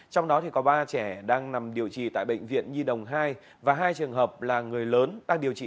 trong đó có ba trẻ đang nằm điều trị tại bệnh viện nhi đồng hai và hai trường hợp là người lớn đang điều trị